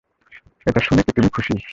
এটা শোনে কী তুমি খুশি?